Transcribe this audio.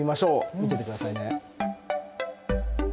見ててくださいね。